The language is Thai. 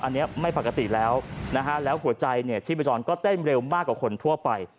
อันนี้ไม่ปกติแล้วนะฮะแล้วหัวใจเนี่ยชีพจรก็เต้นเร็วมากกว่าคนทั่วไป